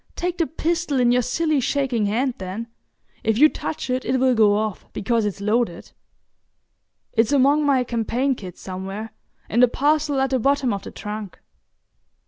Take the pistol in your silly shaking hand then. If you touch it, it will go off, because it's loaded. It's among my campaign kit somewhere—in the parcel at the bottom of the trunk."